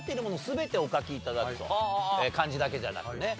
全てお書き頂くと漢字だけじゃなくてね。